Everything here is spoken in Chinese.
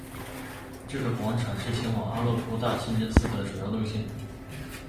这个广场是前往阿勒颇大清真寺的主要路线。